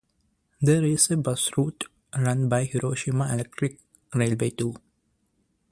There is a bus route run by Hiroshima Electric Railway, too.